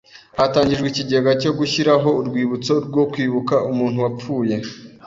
Hatangijwe ikigega cyo gushyiraho urwibutso rwo kwibuka umuntu wapfuye.